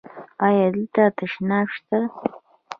ایا دلته تشناب شته؟